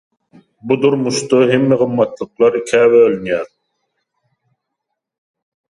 Bu durmuşda hemme gymmatlyklar ikä bölünýär: